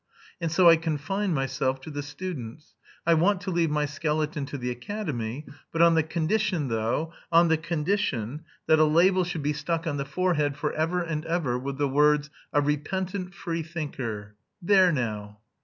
and so I confine myself to the students. I want to leave my skeleton to the academy, but on the condition though, on the condition that a label should be stuck on the forehead forever and ever, with the words: 'A repentant free thinker.' There now!"